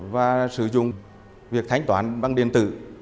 và sử dụng việc thanh toán bằng điện tử